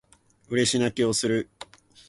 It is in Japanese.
嬉し泣きをする